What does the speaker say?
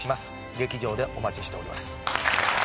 劇場でお待ちしております。